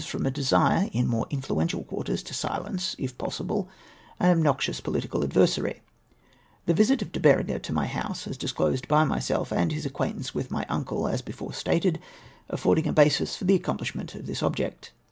from a desire in more influential quarters to silence, if possible, an obnoxious pohtical adversary ; the visit of De Berenger to my house, as disclosed by myself, and his acquaintance with my uncle as before stated, affording a basis for the accomphshment of tliis object.